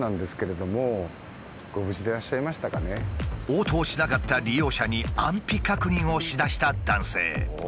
応答しなかった利用者に安否確認をしだした男性。